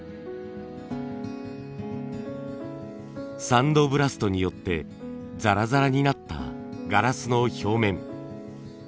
サンドブラストによってザラザラになったガラスの表面。